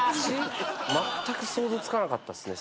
まったく想像つかなかったっすね